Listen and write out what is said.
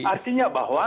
nah artinya bahwa